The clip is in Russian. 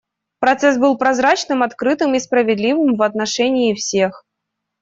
Процесс был прозрачным, открытым и справедливым в отношении всех.